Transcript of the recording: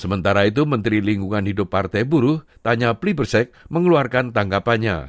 sementara itu menteri lingkungan hidup partai buruh tanya plibersek mengeluarkan tanggapannya